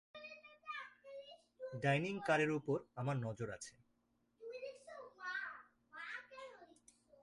Dining কারের উপর আমার নজর আছে।